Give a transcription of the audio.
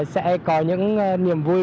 sẽ có những niềm vui